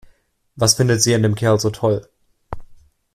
Was findet sie an dem Kerl so toll?